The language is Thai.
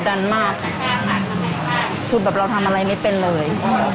ดันมากคือแบบเราทำอะไรไม่เป็นเลย